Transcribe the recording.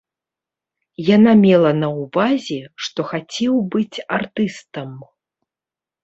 Яна мела на ўвазе, што хацеў быць артыстам.